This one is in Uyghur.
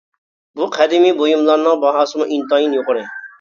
بۇ قەدىمىي بۇيۇملارنىڭ باھاسىمۇ ئىنتايىن يۇقىرى.